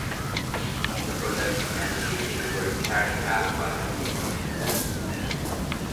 The production and shooting were carried out by her team.